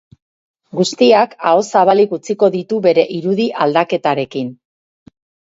Guztiak aho-zabalik utziko ditu bere irudi aldaketarekin.